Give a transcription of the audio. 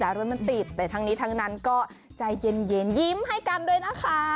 แล้วรถมันติดแต่ทั้งนี้ทั้งนั้นก็ใจเย็นยิ้มให้กันด้วยนะคะ